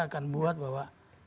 akan buat bahwa